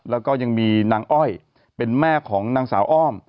แล้วก็ยังมีนางอ้อยเป็นแม่ของนางสาวอ้อม